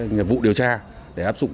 nhiệm vụ điều tra để áp dụng